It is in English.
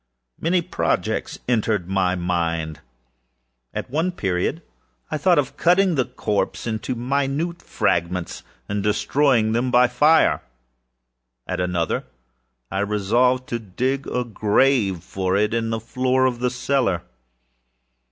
Many projects entered my mind. At one period I thought of cutting the corpse into minute fragments, and destroying them by fire. At another, I resolved to dig a grave for it in the floor of the cellar.